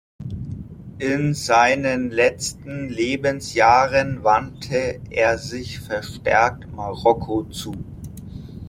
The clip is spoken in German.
In seinen letzten Lebensjahren wandte er sich verstärkt Marokko zu.